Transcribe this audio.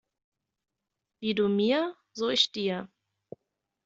Wie du mir, so ich dir.